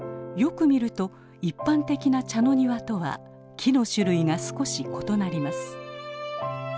よく見ると一般的な茶の庭とは木の種類が少し異なります。